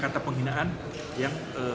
kata penghinaan yang